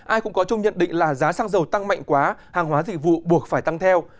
ai cũng có chung nhận định là giá xăng dầu tăng mạnh quá hàng hóa dịch vụ buộc phải tăng theo